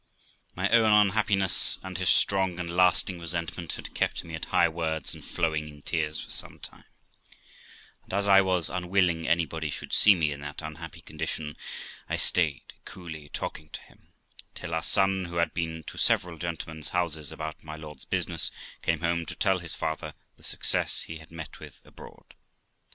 My own unhappiness, and his strong and lasting resentment, had kept me at high words, and flowing in tears, for some time ; and, as I was unwilling anybody should see me in that unhappy condition, I stayed coolly talking to him, till our son, who had been to several gentlemen's houses about my lord's business, came home to tell his father the success he had met with abroad.